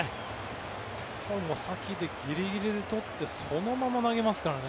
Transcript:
先でギリギリでとってそのまま投げますからね。